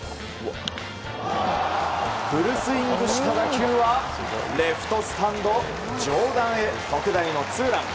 フルスイングした打球はレフトスタンド上段への特大のツーラン。